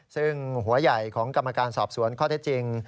ซึ่งหัวใหญ่ของกรรมการสอบสวนข้อเท็จจริง